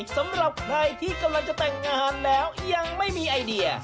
สำหรับใครที่กำลังจะแต่งงานแล้วยังไม่มีไอเดีย